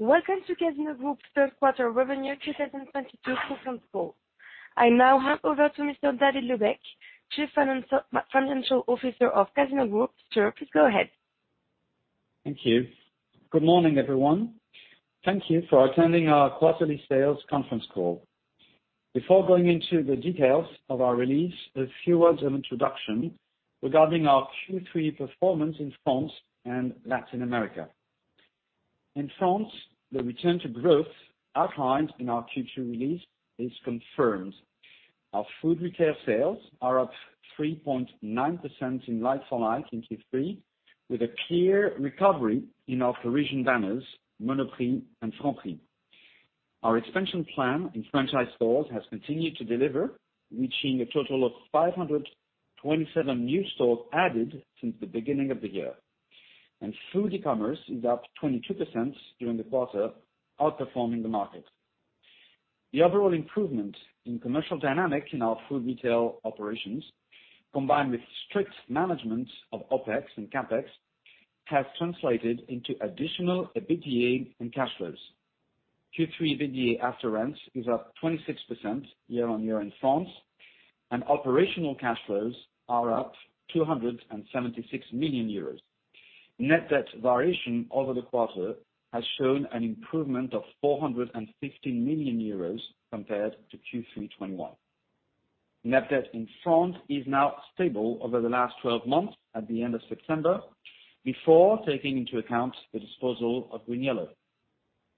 Welcome to Casino Group third quarter revenue 2022 conference call. I now hand over to Mr. David Lubek, Chief Financial Officer of Casino Group. Sir, please go ahead. Thank you. Good morning, everyone. Thank you for attending our quarterly sales conference call. Before going into the details of our release, a few words of introduction regarding our Q3 performance in France and Latin America. In France, the return to growth outlined in our Q2 release is confirmed. Our food retail sales are up 3.9% in like-for-like in Q3, with a clear recovery in our Parisian banners, Monoprix and Franprix. Our expansion plan in franchise stores has continued to deliver, reaching a total of 527 new stores added since the beginning of the year. Food e-commerce is up 22% during the quarter, outperforming the market. The overall improvement in commercial dynamic in our food retail operations, combined with strict management of OpEx and CapEx, has translated into additional EBITDA and cash flows. Q3 EBITDA after rents is up 26% year-on-year in France, and operational cash flows are up 276 million euros. Net debt variation over the quarter has shown an improvement of 450 million euros compared to Q3 2021. Net debt in France is now stable over the last 12 months at the end of September, before taking into account the disposal of GreenYellow.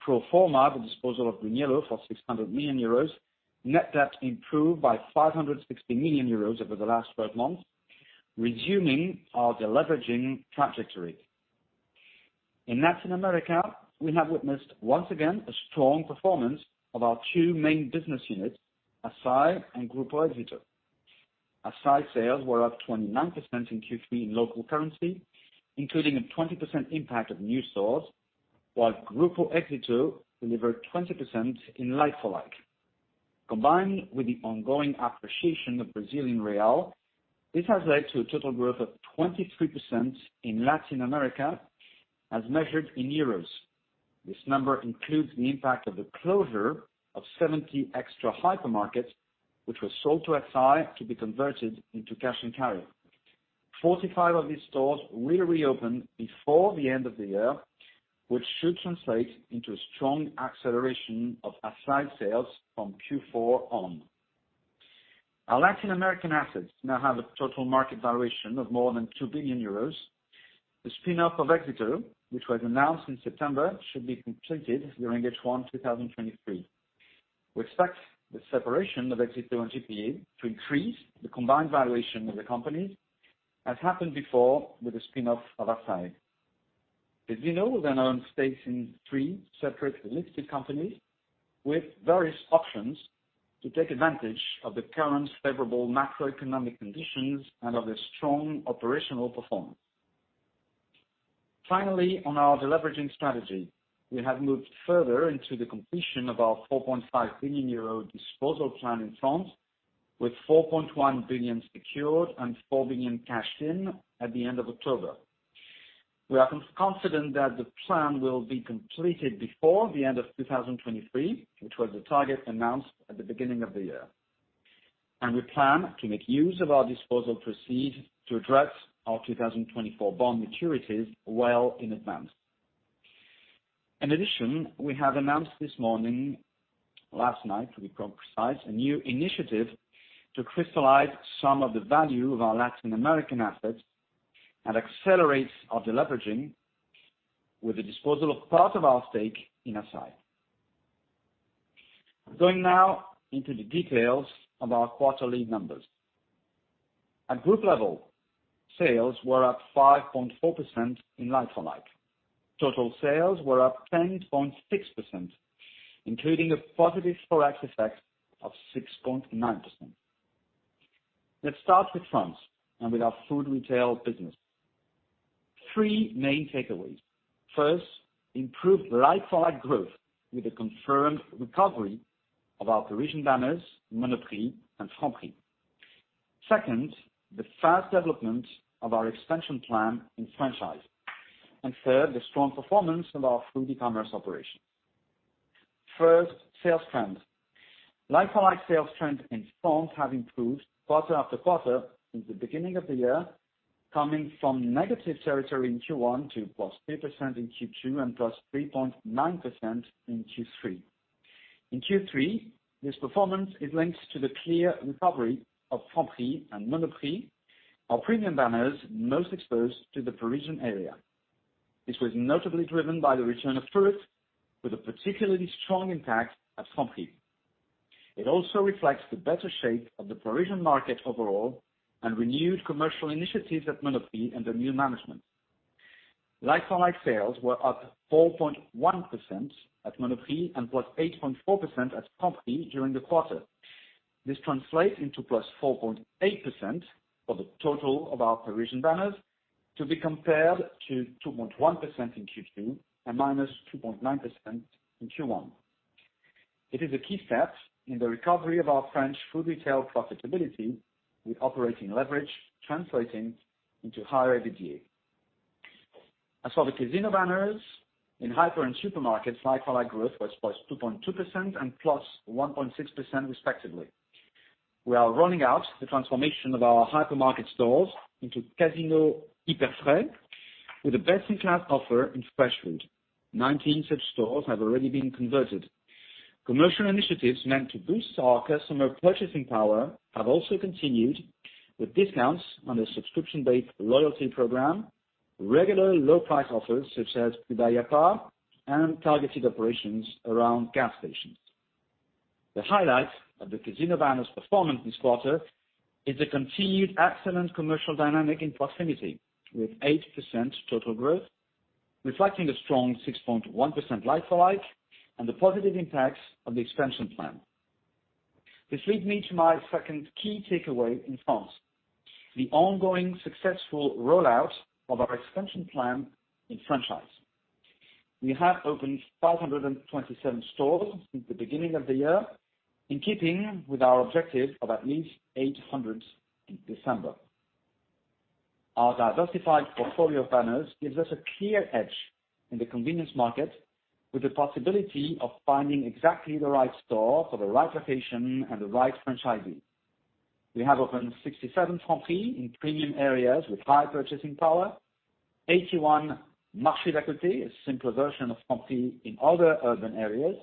Pro forma, the disposal of GreenYellow for 600 million euros, net debt improved by 560 million euros over the last 12 months, resuming our deleveraging trajectory. In Latin America, we have witnessed once again a strong performance of our two main business units, Assaí and Grupo Éxito. Assaí sales were up 29% in Q3 in local currency, including a 20% impact of new stores, while Grupo Éxito delivered 20% in like-for-like. Combined with the ongoing appreciation of Brazilian real, this has led to a total growth of 23% in Latin America as measured in euros. This number includes the impact of the closure of 70 Extra hypermarkets, which was sold to Assaí to be converted into cash and carry. 45 of these stores will reopen before the end of the year, which should translate into a strong acceleration of Assaí sales from Q4 on. Our Latin American assets now have a total market valuation of more than 2 billion euros. The spin-off of Éxito, which was announced in September, should be completed during H1 2023. We expect the separation of Éxito and GPA to increase the combined valuation of the company, as happened before with the spin-off of Assaí. As you know, we now own stakes in three separate listed companies with various options to take advantage of the current favorable macroeconomic conditions and of the strong operational performance. Finally, on our deleveraging strategy, we have moved further into the completion of our 4.5 billion euro disposal plan in France, with 4.1 billion secured and 4 billion cashed in at the end of October. We are confident that the plan will be completed before the end of 2023, which was the target announced at the beginning of the year. We plan to make use of our disposal proceeds to address our 2024 bond maturities well in advance. In addition, we have announced this morning, last night to be precise, a new initiative to crystallize some of the value of our Latin American assets and accelerate our deleveraging with the disposal of part of our stake in Assaí. Going now into the details of our quarterly numbers. At group level, sales were up 5.4% in like-for-like. Total sales were up 10.6%, including a positive ForEx effect of 6.9%. Let's start with France and with our food retail business. Three main takeaways. First, improved like-for-like growth with a confirmed recovery of our Parisian banners, Monoprix and Franprix. Second, the fast development of our expansion plan in franchise. Third, the strong performance of our food e-commerce operation. First, sales trends. Like-for-like sales trends in France have improved quarter after quarter since the beginning of the year, coming from negative territory in Q1 to +3% in Q2 and +3.9% in Q3. In Q3, this performance is linked to the clear recovery of Franprix and Monoprix, our premium banners most exposed to the Parisian area. This was notably driven by the return of tourists, with a particularly strong impact at Franprix. It also reflects the better shape of the Parisian market overall and renewed commercial initiatives at Monoprix under new management. Like-for-like sales were up 4.1% at Monoprix and +8.4% at Franprix during the quarter. This translates into +4.8% for the total of our Parisian banners to be compared to 2.1% in Q2 and -2.9% in Q1. It is a key step in the recovery of our French food retail profitability with operating leverage translating into higher EBITDA. As for the Casino banners, in hypermarkets and supermarkets, like-for-like growth was +2.2% and +1.6% respectively. We are rolling out the transformation of our hypermarket stores into Casino Hyperfrais with a best-in-class offer in fresh food. 19 such stores have already been converted. Commercial initiatives meant to boost our customer purchasing power have also continued with discounts on the subscription-based loyalty program, regular low price offers such as Fidélité, and targeted operations around gas stations. The highlight of the Casino banners performance this quarter is the continued excellent commercial dynamic in proximity, with 8% total growth, reflecting a strong 6.1% like-for-like, and the positive impacts of the expansion plan. This leads me to my second key takeaway in France, the ongoing successful rollout of our expansion plan in franchise. We have opened 527 stores since the beginning of the year, in keeping with our objective of at least 800 in December. Our diversified portfolio of banners gives us a clear edge in the convenience market, with the possibility of finding exactly the right store for the right location and the right franchisee. We have opened 67 Franprix in premium areas with high purchasing power. 81 Marché Récollets, a simpler version of Franprix in other urban areas.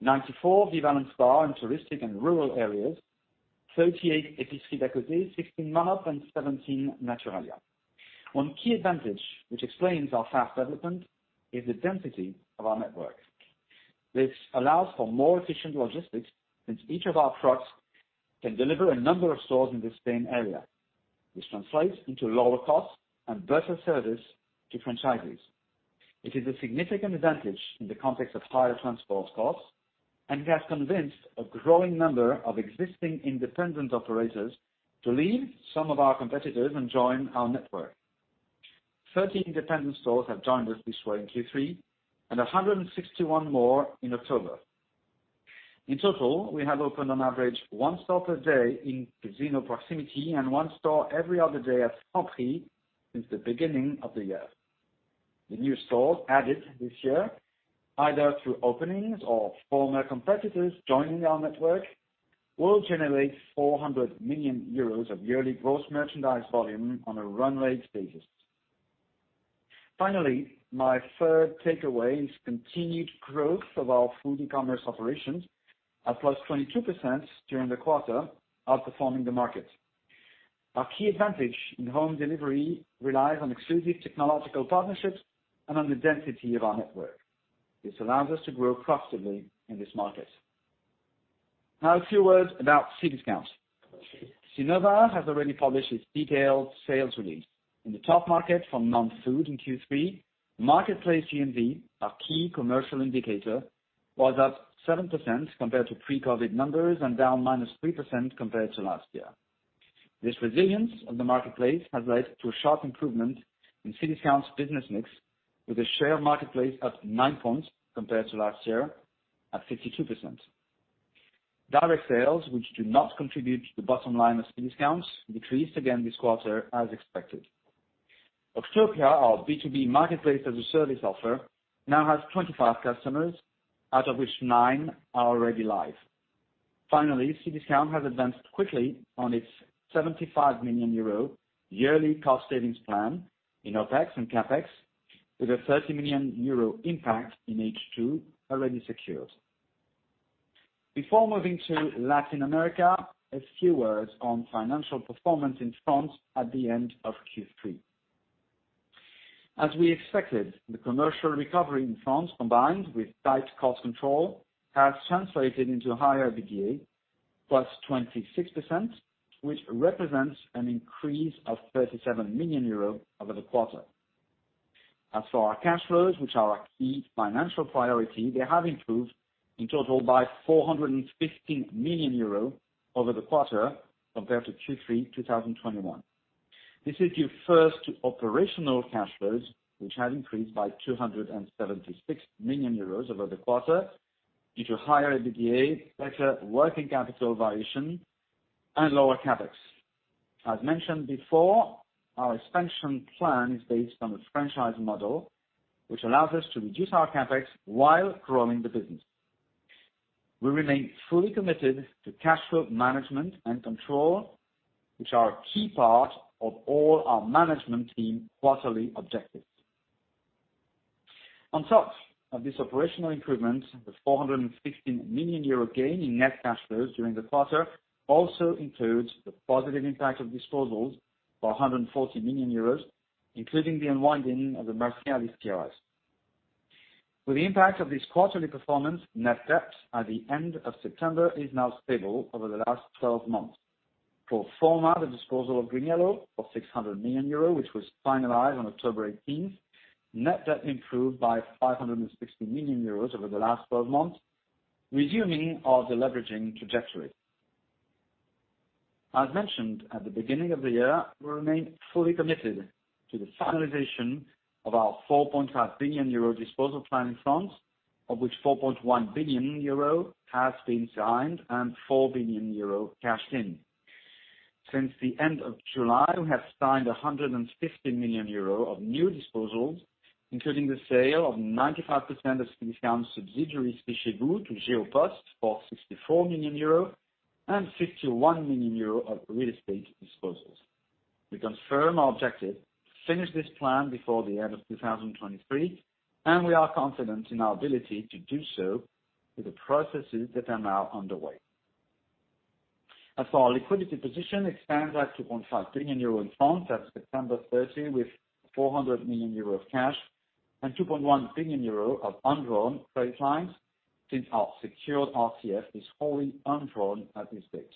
94 [B' Corner bar] in touristic and rural areas. 38 Épicerie Délicates, 16 Manos and 17 Naturalia. One key advantage which explains our fast development is the density of our network. This allows for more efficient logistics, since each of our trucks can deliver a number of stores in the same area. This translates into lower costs and better service to franchisees. It is a significant advantage in the context of higher transport costs, and has convinced a growing number of existing independent operators to leave some of our competitors and join our network. 30 independent stores have joined us this way in Q3, and 161 more in October. In total, we have opened on average one store per day in Casino proximity and one store every other day at Franprix since the beginning of the year. The new stores added this year, either through openings or former competitors joining our network, will generate 400 million euros of yearly gross merchandise volume on a run rate basis. Finally, my third takeaway is continued growth of our food e-commerce operations at +22% during the quarter, outperforming the market. Our key advantage in home delivery relies on exclusive technological partnerships and on the density of our network. This allows us to grow profitably in this market. Now a few words about Cdiscount. Cnova has already published its detailed sales release. In the top market for non-food in Q3, marketplace GMV, our key commercial indicator, was up 7% compared to pre-COVID numbers and down -3% compared to last year. This resilience of the marketplace has led to a sharp improvement in Cdiscount's business mix, with a marketplace share at 9 points compared to last year at 52%. Direct sales, which do not contribute to the bottom line of Cdiscount, decreased again this quarter as expe`cted. Octopia, ou`r B2B marketplace as a service offer, now has 25 customers, out of which nine are already live. Finally, Cdiscount has advanced quickly on its 75 million euro yearly cost savings plan in OpEx and CapEx, with a 30 million euro impact in H2 already secured. Before moving to Latin America, a few words on financial performance in France at the end of Q3. As we expected, the commercial recovery in France, combined with tight cost control, has translated into higher EBITDA, +26%, which represents an increase of 37 million euros over the quarter. As for our cash flows, which are a key financial priority, they have improved in total by 415 million euro over the quarter compared to Q3 2021. This is due first to operational cash flows, which have increased by 276 million euros over the quarter due to higher EBITDA, better working capital variation, and lower CapEx. As mentioned before, our expansion plan is based on a franchise model, which allows us to reduce our CapEx while growing the business. We remain fully committed to cash flow management and control, which are a key part of all our management team quarterly objectives. On top of this operational improvement, the 415 million euro gain in net cash flows during the quarter also includes the positive impact of disposals for 140 million euros, including the unwinding of the Mercialys KRAs. With the impact of this quarterly performance, net debt at the end of September is now stable over the last 12 months. Pro forma disposal of GreenYellow of 600 million euros, which was finalized on October eighteenth, net debt improved by 560 million euros over the last 12 months, resuming our deleveraging trajectory. As mentioned at the beginning of the year, we remain fully committed to the finalization of our 4.5 billion euro disposal plan in France, of which 4.1 billion euro has been signed and 4 billion euro cashed in. Since the end of July, we have signed 150 million euro of new disposals, including the sale of 95% of Ceetrus' subsidiary, C Chez Vous, to Geopost for 64 million euros and 51 million euros of real estate disposals. We confirm our objective to finish this plan before the end of 2023, and we are confident in our ability to do so with the processes that are now underway. Our liquidity position stands at 2.5 billion euro in France as of September 30, with 400 million euro of cash and 2.1 billion euro of undrawn credit lines, since our secured RCF is wholly undrawn at this date.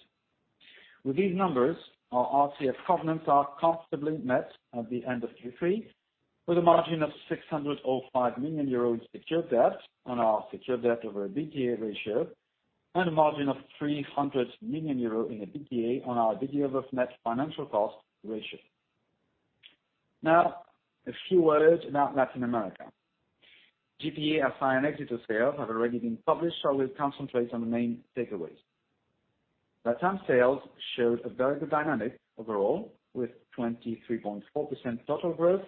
With these numbers, our RCF covenants are comfortably met at the end of Q3, with a margin of 605 million euro in secured debt on our secured debt over EBITDA ratio and a margin of 300 million euro in EBITDA on our EBITDA of net financial cost ratio. Now, a few words about Latin America. GPA, Assaí, and Éxito sales have already been published, so we'll concentrate on the main takeaways. Latam sales showed a very good dynamic overall, with 23.4% total growth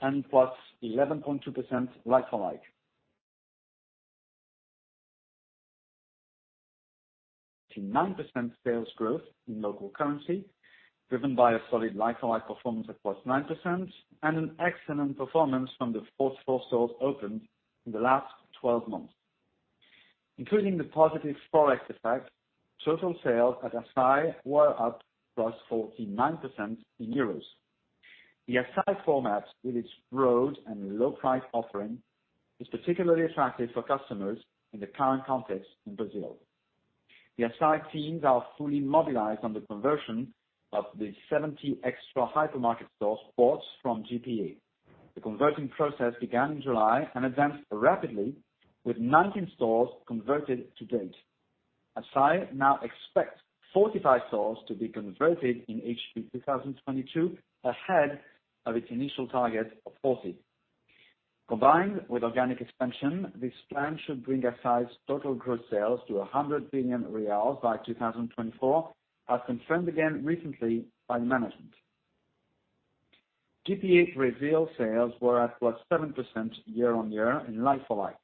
and +11.2% like-for-like. 99% sales growth in local currency, driven by a solid like-for-like performance at +9% and an excellent performance from the fourth store opened in the last 12 months. Including the positive ForEx effect, total sales at Assaí were up +49% in euros. The Assaí format, with its broad and low-price offering, is particularly attractive for customers in the current context in Brazil. The Assaí teams are fully mobilized on the conversion of the 70 Extra hypermarket stores bought from GPA. The converting process began in July and advanced rapidly, with 19 stores converted to date. Assaí now expects 45 stores to be converted in H2 2022, ahead of its initial target of 40. Combined with organic expansion, this plan should bring Assaí's total gross sales to 100 billion reais by 2024, as confirmed again recently by the management. GPA Brazil sales were at +7% year-on-year in like-for-like.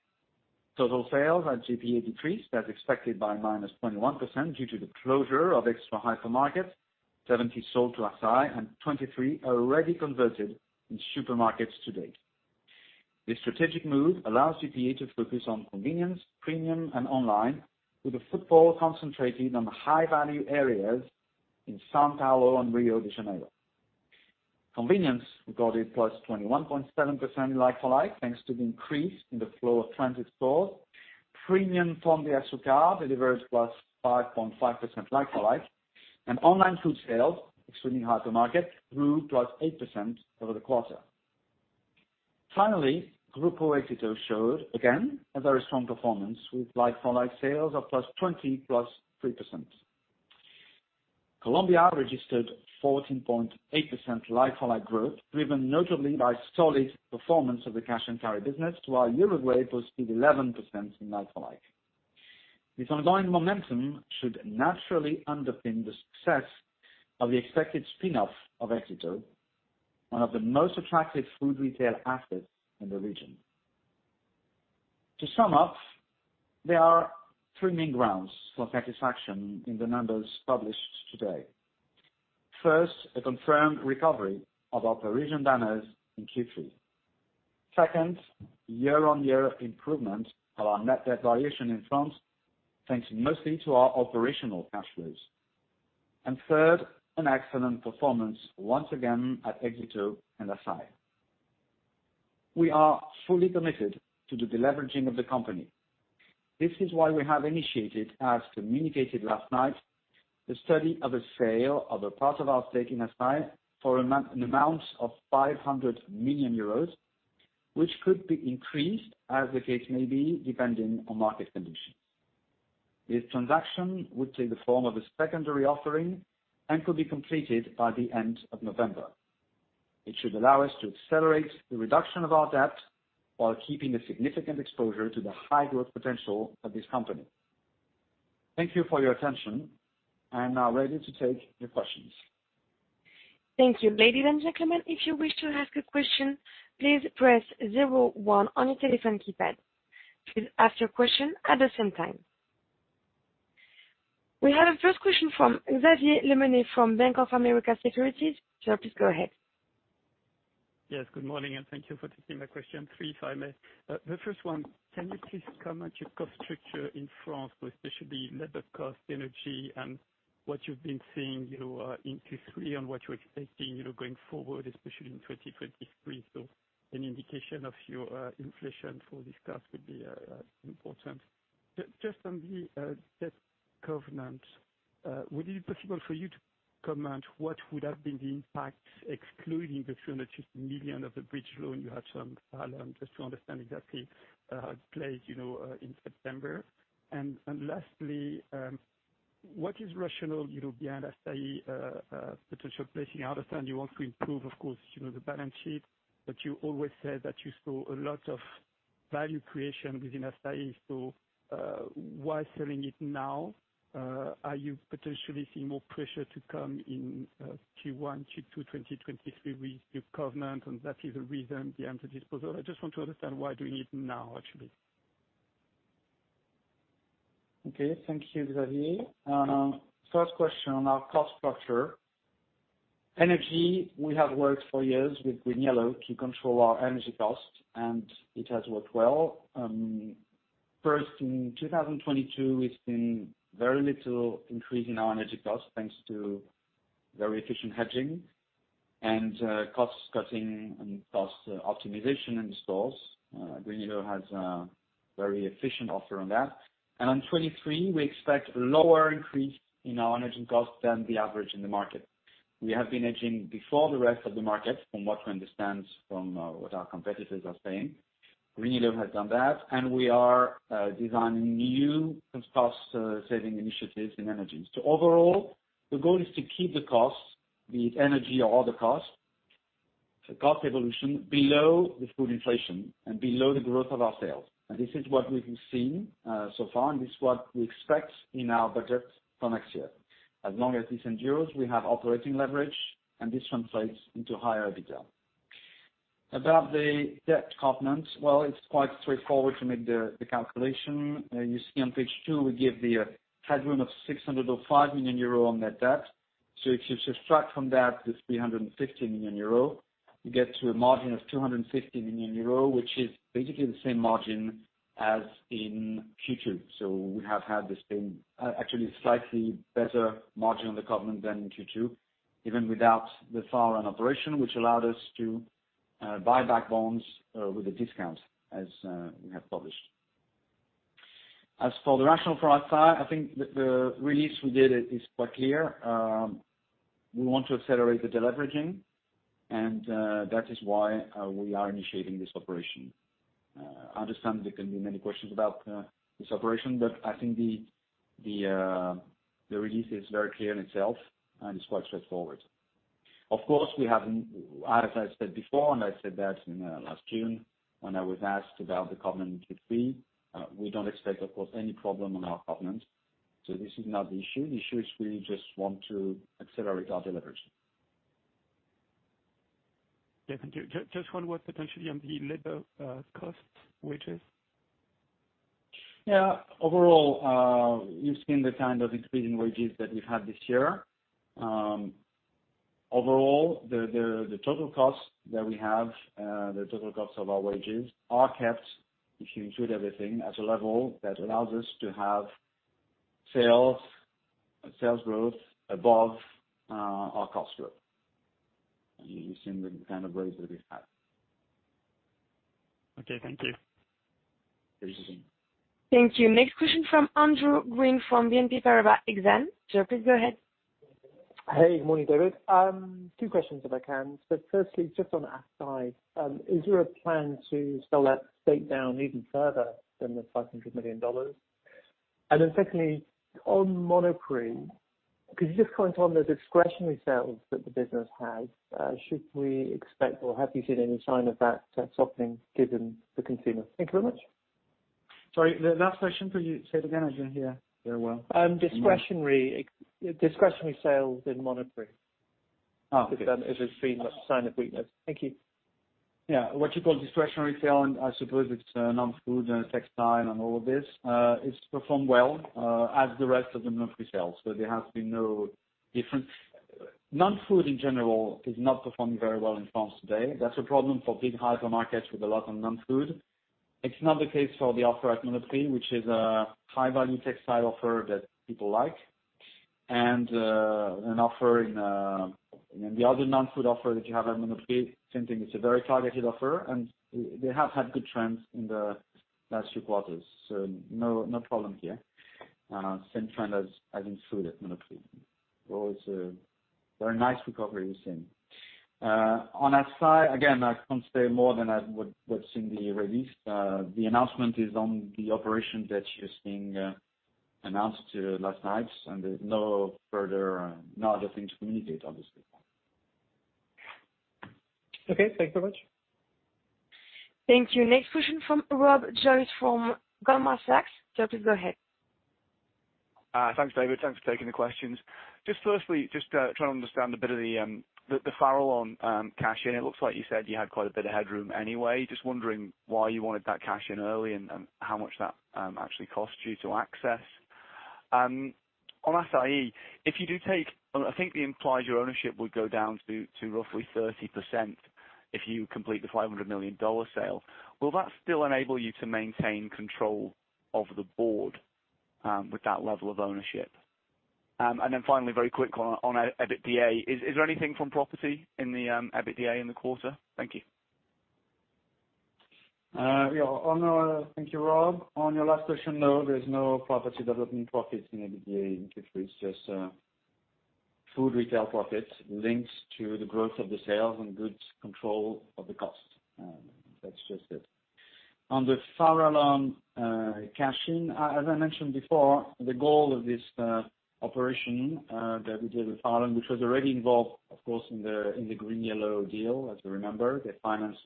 Total sales at GPA decreased, as expected, by -21% due to the closure of Extra hypermarket, 70 sold to Assaí, and 23 already converted in supermarkets to date. This strategic move allows GPA to focus on convenience, premium, and online, with a footfall concentrated on the high-value areas in São Paulo and Rio de Janeiro. Convenience recorded +21.7% like-for-like, thanks to the increase in the flow of transit stores. Premium, from the Assaí card, delivered +5.5% like-for-like. Online food sales, excluding hypermarket, grew +8% over the quarter. Finally, Grupo Éxito showed, again, a very strong performance with like-for-like sales of +23%. Colombia registered 14.8% like-for-like growth, driven notably by solid performance of the cash-and-carry business, while Uruguay posted 11% in like-for-like. This ongoing momentum should naturally underpin the success of the expected spin-off of Éxito, one of the most attractive food retail assets in the region. To sum up, there are three main grounds for satisfaction in the numbers published today. First, a confirmed recovery of our Parisian banners in Q3. Second, year-on-year improvement of our net debt valuation in France, thanks mostly to our operational cash flows. Third, an excellent performance once again at Éxito and Assaí. We are fully committed to the deleveraging of the company. This is why we have initiated, as communicated last night, the study of a sale of a part of our stake in Assaí for an amount of 500 million euros, which could be increased, as the case may be, depending on market conditions. This transaction would take the form of a secondary offering and could be completed by the end of November. It should allow us to accelerate the reduction of our debt while keeping a significant exposure to the high-growth potential of this company. Thank you for your attention. I am now ready to take your questions. Thank you. Ladies and gentlemen, if you wish to ask a question, please press zero one on your telephone keypad. Please ask your question at the same time. We have a first question from Xavier Le Mené from Bank of America Securities. Sir, please go ahead. Yes, good morning, and thank you for taking my question. Three if I may. The first one, can you please comment on your cost structure in France, especially labor cost, energy, and what you've been seeing, you know, in Q3 and what you're expecting, you know, going forward, especially in 2023? An indication of your inflation for this cost would be important. Just on the debt covenant, would it be possible for you to- comment what would have been the impact excluding the 300 million of the bridge loan you had some, just to understand exactly, how it played, you know, in September. Lastly, what is rationale, you know, behind Assaí potential placing? I understand you want to improve, of course, you know, the balance sheet, but you always said that you saw a lot of value creation within Assaí. Why selling it now? Are you potentially seeing more pressure to come in Q1, Q2, 2023 with your covenant, and that is the reason behind the disposal? I just want to understand why doing it now, actually. Okay. Thank you, Xavier. First question on our cost structure. Energy, we have worked for years with GreenYellow to control our energy cost, and it has worked well. First, in 2022, we've seen very little increase in our energy costs, thanks to very efficient hedging and cost cutting and cost optimization in the stores. GreenYellow has a very efficient offer on that. On 2023, we expect lower increase in our energy costs than the average in the market. We have been hedging before the rest of the market, from what we understand from what our competitors are saying. GreenYellow has done that, and we are designing new cost saving initiatives in energy. Overall, the goal is to keep the costs, be it energy or other costs, the cost evolution below the food inflation and below the growth of our sales. This is what we've been seeing so far, and this is what we expect in our budget for next year. As long as this endures, we have operating leverage, and this translates into higher EBITDA. About the debt covenant, well, it's quite straightforward to make the calculation. You see on page two, we give the headroom of 600 million euro or 5 million euro on net debt. If you subtract from that the 350 million euro, you get to a margin of 250 million euro, which is basically the same margin as in Q2. We have had the same, actually slightly better margin on the covenant than in Q2, even without the Farallon operation, which allowed us to buy back bonds with a discount, as we have published. As for the rationale for Assaí, I think the release we did is quite clear. We want to accelerate the deleveraging, and that is why we are initiating this operation. I understand there can be many questions about this operation, but I think the release is very clear in itself and is quite straightforward. Of course, we have, as I said before, and I said that in last June when I was asked about the covenant Q3, we don't expect, of course, any problem on our covenant. This is not the issue. The issue is we just want to accelerate our deleverage. Yeah, thank you. Just one word potentially on the labor costs, wages. Yeah. Overall, you've seen the kind of increase in wages that we've had this year. Overall, the total cost of our wages are kept, if you include everything, at a level that allows us to have sales growth above our cost growth. You've seen the kind of growth that we've had. Okay. Thank you. Thank you. Thank you. Next question from Andrew Gwynn, from BNP Paribas Exane. Sir, please go ahead. Hey, good morning, David. Two questions, if I can. Firstly, just on the Assaí, is there a plan to sell that stake down even further than the $500 million? Secondly, on Monoprix, could you just comment on those discretionary sales that the business has? Should we expect, or have you seen any sign of that softening given the consumer? Thank you very much. Sorry, the last question for you. Say it again, Andrew. I didn't hear well. Discretionary sales in Monoprix. Oh, okay. If there's been a sign of weakness. Thank you. Yeah. What you call discretionary sale, and I suppose it's non-food and textile and all of this, it's performed well as the rest of the Monoprix sales. There has been no difference. Non-food in general is not performing very well in France today. That's a problem for big hypermarkets with a lot of non-food. It's not the case for the offer at Monoprix, which is a high-value textile offer that people like, and an offer in the other non-food offer that you have at Monoprix, same thing, it's a very targeted offer, and they have had good trends in the last few quarters. No problem here. Same trend as in food at Monoprix. That's a very nice recovery we've seen. On Assaí, again, I can't say more than what's in the release. The announcement is on the operation that is being announced last night, and there's no further, no other thing to communicate, obviously. Okay. Thank you very much. Thank you. Next question from Rob Joyce from Goldman Sachs. Sir, please go ahead. Thanks, David. Thanks for taking the questions. Just firstly, trying to understand a bit of the Farallon cash in. It looks like you said you had quite a bit of headroom anyway. Just wondering why you wanted that cash in early and how much that actually cost you to access. On Assaí, if you do, I think that implies your ownership would go down to roughly 30% if you complete the $500 million sale. Will that still enable you to maintain control of the board with that level of ownership? And then finally, very quick on EBITDA, is there anything from property in the EBITDA in the quarter? Thank you. Thank you, Rob. On your last question, no, there is no property development profits in EBITDA in Q3. It's just food retail profits linked to the growth of the sales and good control of the costs. That's just it. On the Farallon cashing, as I mentioned before, the goal of this operation that we did with Farallon, which was already involved, of course, in the GreenYellow deal, as you remember. They financed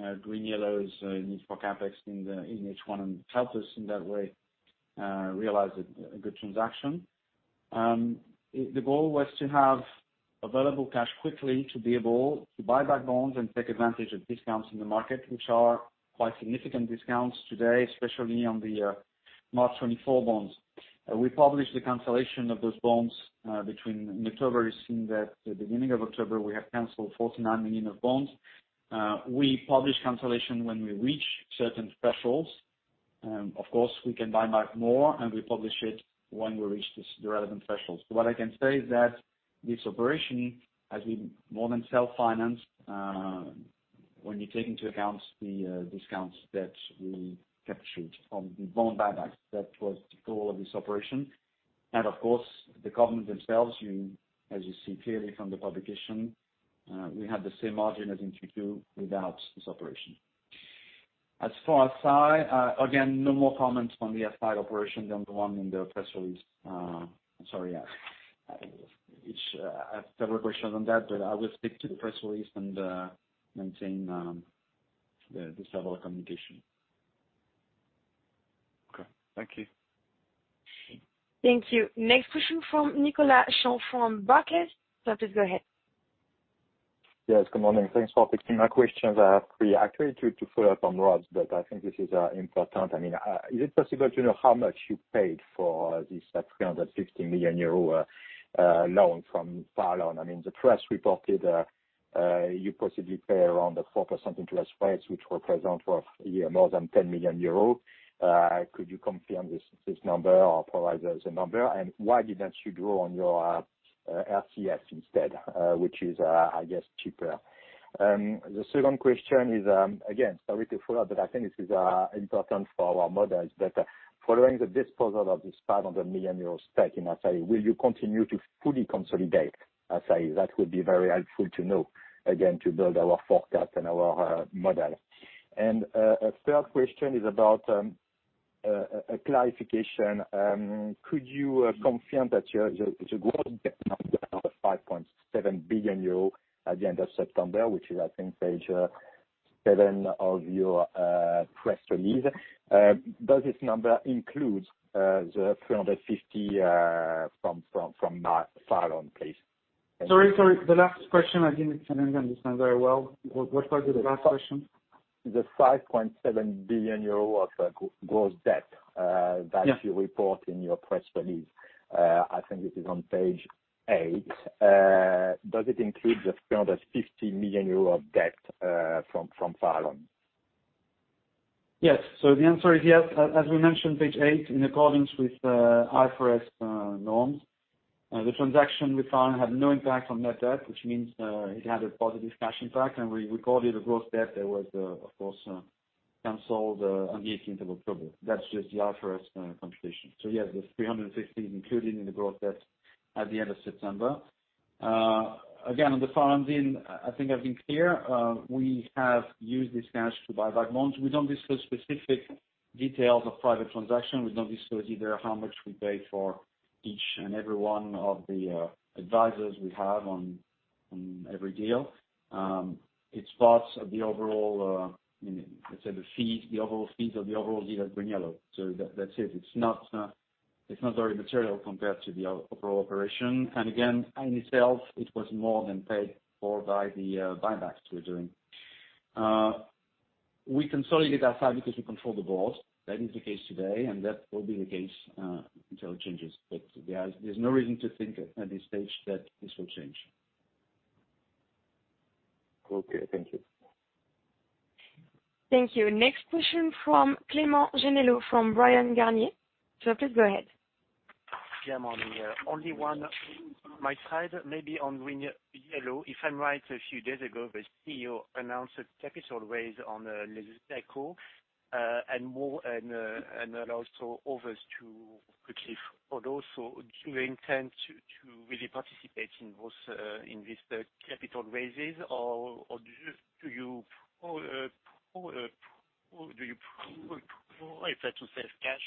GreenYellow's need for CapEx in H1 and helped us in that way realize a good transaction. The goal was to have available cash quickly to be able to buy back bonds and take advantage of discounts in the market, which are quite significant discounts today, especially on the March 2024 bonds. We published the cancellation of those bonds between October. You've seen that the beginning of October, we have canceled 49 million of bonds. We publish cancellation when we reach certain thresholds. Of course, we can buy back more, and we publish it when we reach the relevant thresholds. What I can say is that this operation has been more than self-financed, when you take into account the discounts that we captured on the bond buyback. That was the goal of this operation. Of course, the covenants themselves, you as you see clearly from the publication, we have the same margin as in Q2 without this operation. As for Assaí, again, no more comments on the Assaí operation than the one in the press release. I'm sorry, yeah. I have several questions on that, but I will stick to the press release and maintain this level of communication. Okay. Thank you. Thank you. Next question from Nicolas Champ from Barclays. Sir, please go ahead. Yes, good morning. Thanks for taking my questions. I have three actually to follow up on Rob's, but I think this is important. I mean, is it possible to know how much you paid for this 350 million euro loan from Farallon? I mean, the press reported you possibly pay around a 4% interest rates, which represent more than 10 million euros. Could you confirm this number or provide us a number? And why didn't you draw on your RCF instead, which is, I guess, cheaper? The second question is, again, sorry to follow up, but I think this is important for our models. Following the disposal of this 500 million euro stake in Assaí, will you continue to fully consolidate Assaí? That would be very helpful to know, again, to build our forecast and our model. A third question is about a clarification. Could you confirm that the growth number of 5.7 billion euro at the end of September, which is I think page seven of your press release, does this number includes the 350 million from Farallon, please? Sorry. The last question I didn't understand very well. What was the last question? The 5.7 billion euro of gross debt Yeah. That you report in your press release, I think it is on page eight. Does it include the 350 million euro of debt from Farallon? Yes. The answer is yes. As we mentioned, page eight, in accordance with IFRS norms, the transaction with Farallon had no impact on net debt, which means it had a positive cash impact. We recorded a gross debt that was, of course, canceled on the 18th of October. That's just the IFRS computation. Yes, the 350 is included in the gross debt at the end of September. Again, on the Farallon deal, I think I've been clear. We have used this cash to buy back loans. We don't disclose specific details of private transaction. We don't disclose either how much we paid for each and every one of the advisors we have on every deal. It's part of the overall, you know, let's say the fees, the overall fees of the overall deal of GreenYellow. That's it. It's not very material compared to the overall operation. Again, in itself, it was more than paid for by the buybacks we're doing. We consolidate Assaí because we control the board. That is the case today, and that will be the case until it changes. There's no reason to think at this stage that this will change. Okay. Thank you. Thank you. Next question from Clément Genelot from Bryan, Garnier. Sir, please go ahead. Yeah, morning. Only one my side, maybe on GreenYellow. If I'm right, a few days ago, the CEO announced a capital raise in Les Echos, and more, and also others to follow. Do you intend to really participate in those capital raises? Or do you prefer to save cash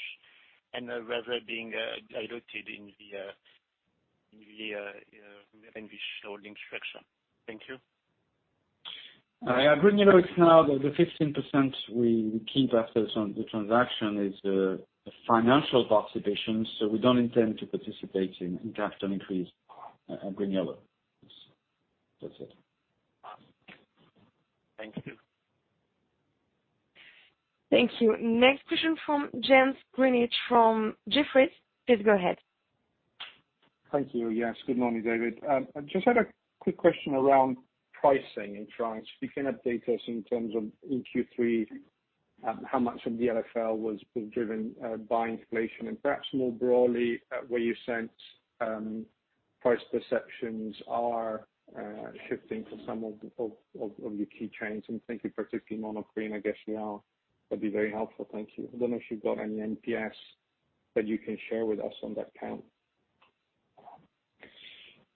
and rather being diluted in the short term? Thank you. GreenYellow is now the 15% we keep after some, the transaction is a financial participation, so we don't intend to participate in capital increase at GreenYellow. That's it. Thank you. Thank you. Next question from James Grzinic from Jefferies. Please go ahead. Thank you. Yes, good morning, David. I just had a quick question around pricing in France. If you can update us in terms of Q3, how much of the LFL was being driven by inflation? Perhaps more broadly, where you sense price perceptions are shifting for some of your key brands, and thank you particularly Monoprix, I guess now, would be very helpful. Thank you. I don't know if you've got any NPS that you can share with us on that count.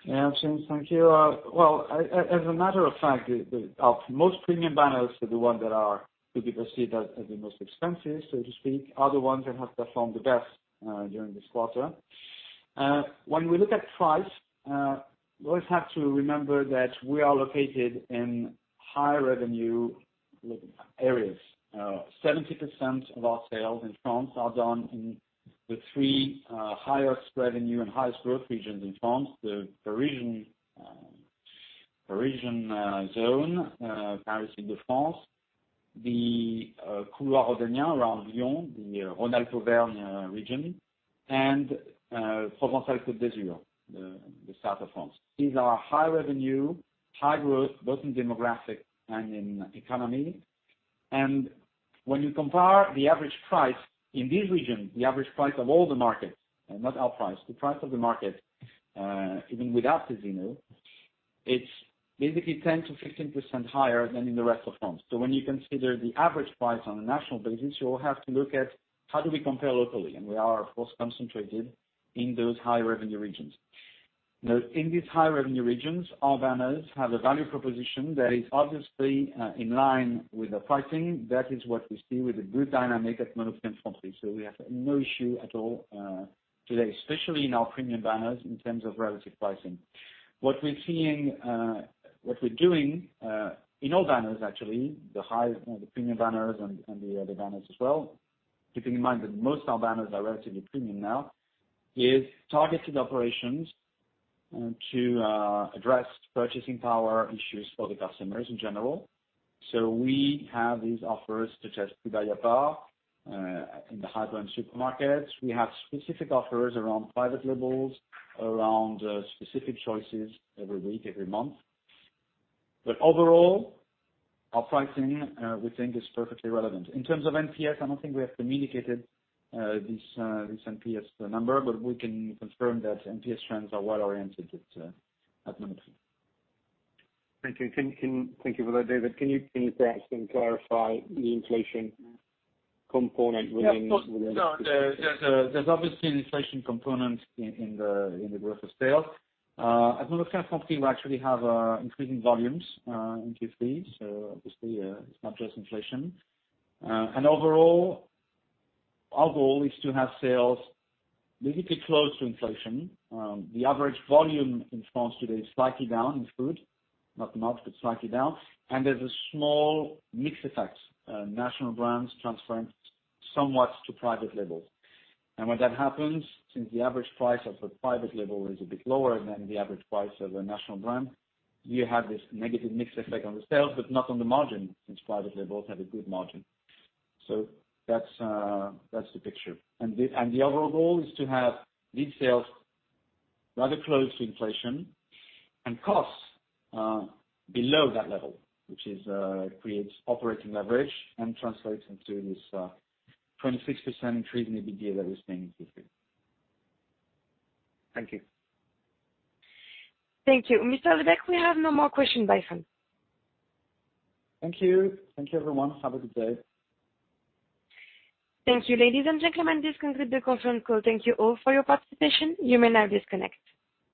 Yeah. James, thank you. Well, as a matter of fact, our most premium banners are the ones that could be perceived as the most expensive, so to speak, that have performed the best during this quarter. When we look at price, we always have to remember that we are located in high revenue areas. 70% of our sales in France are done in the three highest revenue and highest growth regions in France, the Parisian zone, Paris Île-de-France, the Couloir Rhodanien around Lyon, the Rhône-Alpes-Auvergne region, and Provence-Alpes-Côte d'Azur, the south of France. These are high revenue, high growth, both in demographic and in economy. When you compare the average price in these regions, the average price of all the markets, and not our price, the price of the market, even without Cdiscount, it's basically 10%-15% higher than in the rest of France. When you consider the average price on a national basis, you'll have to look at how do we compare locally, and we are of course concentrated in those high revenue regions. Now, in these high revenue regions, our banners have a value proposition that is obviously in line with the pricing. That is what we see with a good dynamic at Monoprix. We have no issue at all today, especially in our premium banners in terms of relative pricing. What we're doing in all banners, actually the premium banners and the other banners as well, keeping in mind that most of our banners are relatively premium now, is targeted operations to address purchasing power issues for the customers in general. We have these offers, such as Two for the Price of One, in the hyper and supermarkets. We have specific offers around private labels, around specific choices every week, every month. Overall, our pricing we think is perfectly relevant. In terms of NPS, I don't think we have communicated this NPS number, but we can confirm that NPS trends are well oriented at Monoprix. Thank you for that, David. Can you please perhaps then clarify the inflation component within. Yeah, of course. There's obviously an inflation component in the growth of sales. At Monoprix, we actually have increasing volumes in Q3, so obviously, it's not just inflation. Overall, our goal is to have sales basically close to inflation. The average volume in France today is slightly down in food, not much, but slightly down. There's a small mix effect, national brands transferring somewhat to private labels. When that happens, since the average price of a private label is a bit lower than the average price of a national brand, you have this negative mix effect on the sales, but not on the margin, since private labels have a good margin. That's the picture. The overall goal is to have LFL sales rather close to inflation and costs below that level, which creates operating leverage and translates into this 26% increase in EBITDA that we've seen in Q3. Thank you. Thank you. Mr. Lubek, we have no more questions by phone. Thank you. Thank you everyone. Have a good day. Thank you. Ladies and gentlemen, this concludes the conference call. Thank you all for your participation. You may now disconnect.